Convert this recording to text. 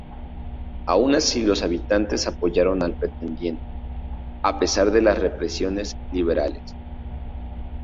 Aun así los habitantes apoyaron al pretendiente, a pesar de las represiones liberales.